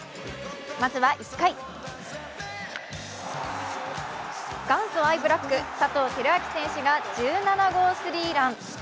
まずは１回、元祖アイブラック、佐藤輝明選手が１７号スリーラン。